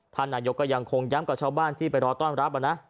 ท่านนายกก็ยังคงย้ำกับชาวบ้านที่ไปรอต้อนรับนะ